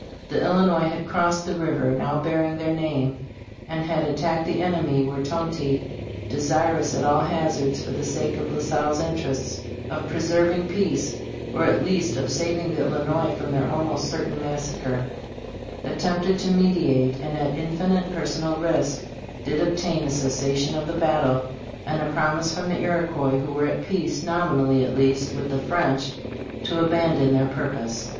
The Illinois had crossed the river now bearing their name and had attacked the enemy, when Tonty, desirous at all hazards, for the sake of La Salle's interests, of preserving peace, or at least of saving the Illinois from their almost certain massacre, attempted to mediate, and, at infinite personal risk, did obtain a cessation of the battle and a promise from the Iroquois, who were at peace, nominally at least, with the French, to abandon their purpose.